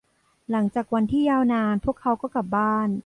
หลังจากวันที่ยาวนาน พวกเขาก็กลับบ้าน